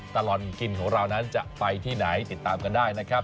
ตลอดกินของเรานั้นจะไปที่ไหนติดตามกันได้นะครับ